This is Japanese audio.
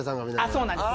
そうなんです。